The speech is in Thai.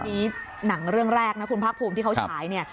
อันนี้หนังเรื่องแรกนะคุณภาคภูมิที่เขาฉายเนี่ย